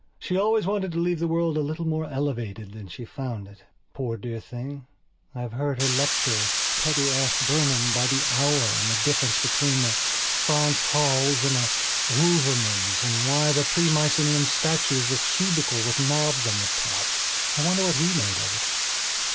She always wanted to leave the world a little more elevated than she found it. Poor dear thing, I have heard her lecture Teddy Ashburnham by the hour on the difference between a Franz Hals and a Wouvermans and why the Pre Mycenaean statues were cubical with knobs on the top. I wonder what he made of it?